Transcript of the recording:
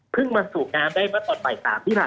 เพิ่งมาสูงน้ำได้มาต่อใบ๓ที่ผ่านมา